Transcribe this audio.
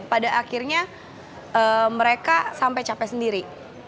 tidak tapi akhirnya mereka sampai capek sendiri